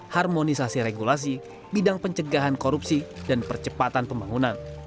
harmonisasi regulasi bidang pencegahan korupsi dan percepatan pembangunan